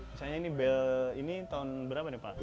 misalnya ini bel ini tahun berapa nih pak